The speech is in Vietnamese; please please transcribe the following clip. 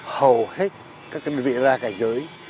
hầu hết các đơn vị ra cảnh giới